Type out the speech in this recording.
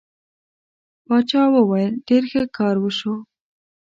باچا وویل ډېر ښه کار وشو.